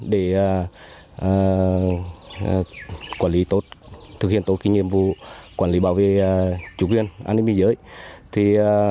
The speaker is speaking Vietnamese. để thực hiện tốt kinh nghiệm vụ quản lý bảo vệ chủ quyền an ninh biên giới